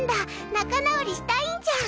仲直りしたいんじゃん！